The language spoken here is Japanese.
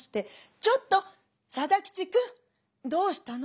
「ちょっと定吉くんどうしたの？